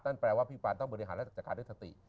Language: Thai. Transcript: แปลว่าพี่ปานต้องบริหารและจัดการด้วยสติ